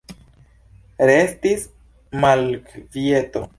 Restis malkvieto.